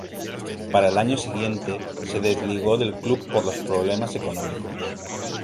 Para el año siguiente se desligó del club por los problemas económicos.